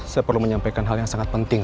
saya perlu menyampaikan hal yang sangat penting